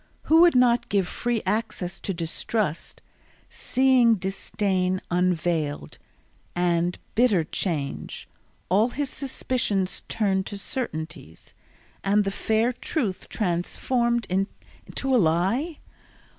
Who would not give free access to distrust, Seeing disdain unveiled, and bitter change! All his suspicions turned to certainties, And the fair truth transformed into a lie?